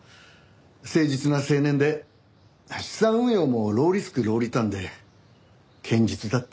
誠実な青年で資産運用もローリスクローリターンで堅実だった。